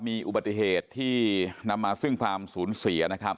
มีอุบัติเหตุที่นำมาซึ่งความสูญเสียนะครับ